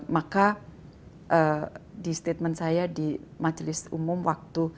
maka di statement saya di majelis umum waktu